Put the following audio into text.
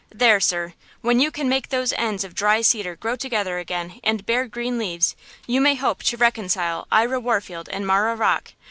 There, sir! when you can make those ends of dry cedar grow together again and bear green leaves, you may hope to reconcile Ira Warfield and Marah Rocke!